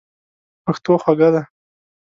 پښتو خوږه ده.